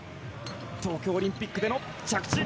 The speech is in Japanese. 東京オリンピックでの着地。